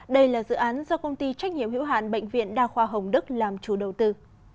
đây là dự án do công ty trách nhiệm hữu hạn bệnh viện đa khoa hồng đức làm chủ đầu tư